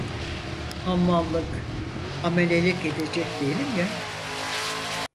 Hamallık, amelelik edecek değilim ya…